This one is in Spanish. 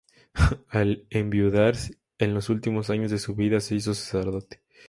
Al enviudar, en los últimos años de su vida se hizo sacerdote.